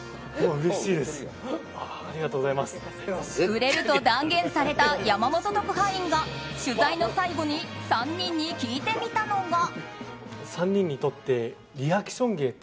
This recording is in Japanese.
売れると断言された山本特派員が取材の最後に３人に聞いてみたのが。